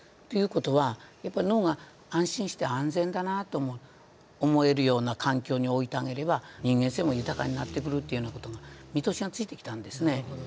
という事は脳が安心して安全だなと思えるような環境に置いてあげれば人間性も豊かになってくるという事が見通しがついてきたんですね。